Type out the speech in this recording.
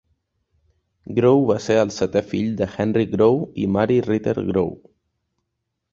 Grow va ser el setè fill de Henry Grow i Mary Riter Grow.